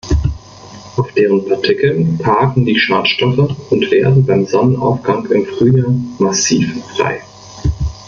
Auf deren Partikeln parken die Schadstoffe und werden beim Sonnenaufgang im Frühjahr massiv frei.